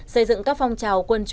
xây dựng các phong trào quân chúng